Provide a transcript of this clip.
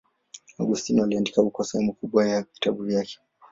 Agostino aliandika huko sehemu kubwa ya vitabu vyake.